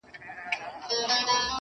ځكه له يوه جوړه كالو سره راوتـي يــو~